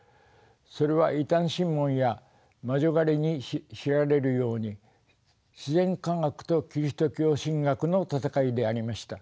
それは異端審問や魔女狩りに知られるように自然科学とキリスト教神学の戦いでありました。